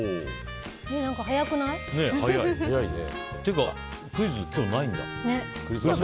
早いね。というかクイズ今日ないんだ。